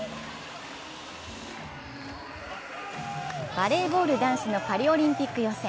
バレーボール男子のパリオリンピック予選。